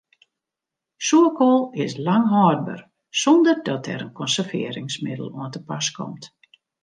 Soerkoal is lang hâldber sonder dat der in konservearringsmiddel oan te pas komt.